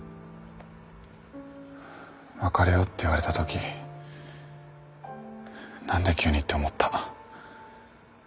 別れようって言われたとき「何で急に？」って思った。